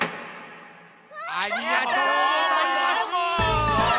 ありがとうございます。